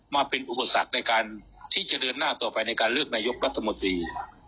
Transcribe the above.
มาเป็นอุปสรรคในการที่จะเดินหน้าต่อไปในการเลือกนายกรัฐมนตรี